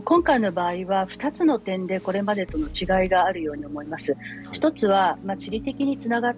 今回の場合は２つの点でこれまでとの違いがあるように思います。